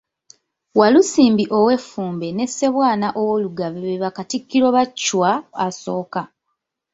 Walusimbi ow'Effumbe ne Ssebwana ow'Olugave be Bakatikkiro ba Chwa I.